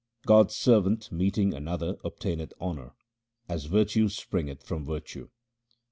God's servant meeting another obtaineth honour, as virtue springeth from virtue.